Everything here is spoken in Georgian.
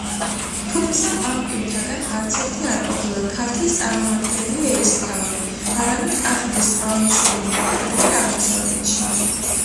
თუმცა, ამ პირთაგან არცერთი არ ყოფილა ქართლის წარმომადგენელი ერისმთავარი, არამედ კახეთის პროვინციელი მმართველები აღმოსავლეთში.